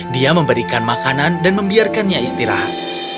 dia memberikan makanan dan membiarkannya istirahat